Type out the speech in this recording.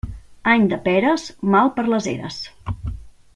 Any de peres, mal per les eres.